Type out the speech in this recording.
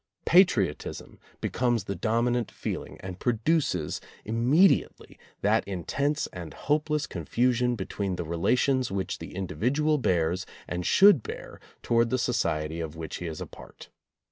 Patriotism be comes the dominant feeling, and produces immedi ately that intense and hopeless confusion between the relations which the individual bears and should bear towards the society of which he is a part.